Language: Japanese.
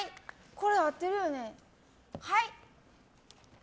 これ、合ってるよね？